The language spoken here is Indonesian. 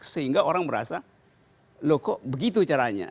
sehingga orang merasa loh kok begitu caranya